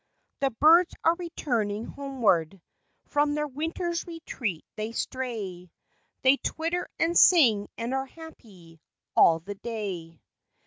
The birds are returning homeward, From their winter's retreat they stray, They twitter and sing and are happy All the day.